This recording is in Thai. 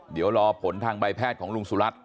เดี๋ยวรอผลทางใบแพทย์ของลุงสุรัตน